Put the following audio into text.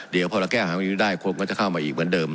เดี๋ยวพอเราแก้หาวันนี้ได้คนก็จะเข้ามาอีกเหมือนเดิม